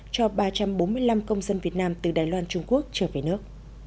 cho ba trăm bốn mươi năm công dân việt nam từ đài loan trung quốc trở về nước